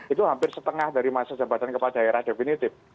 itu hampir setengah dari masa jabatan kepala daerah definitif